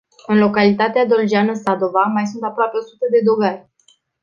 În localitatea doljeană Sadova mai sunt aproape o sută de dogari.